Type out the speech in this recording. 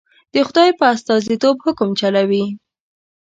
د خدای په استازیتوب حکم چلوي.